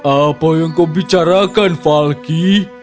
apa yang kau bicarakan falky